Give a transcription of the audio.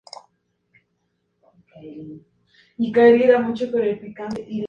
Es el canal hermano de Nickelodeon.